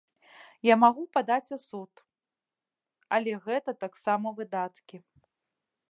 Я магу падаць у суд, але гэта таксама выдаткі.